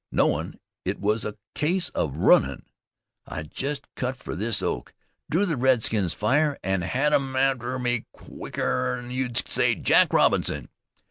Knowin' it was a case of runnin', I just cut fer this oak, drew the redskins' fire, an' hed 'em arter me quicker 'n you'd say Jack Robinson.